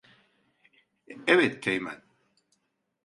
Evet, Teğmen.